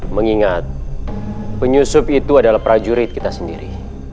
mengingat penyusup itu adalah prajurit kita sendiri